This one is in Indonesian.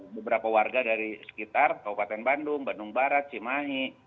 beberapa warga dari sekitar kabupaten bandung bandung barat cimahi